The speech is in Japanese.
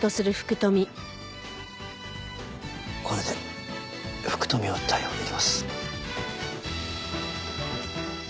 これで福富を逮捕できます。